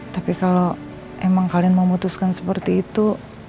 tapi kalau emang kalian memutuskan seperti itu